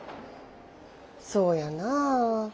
そうやなあ。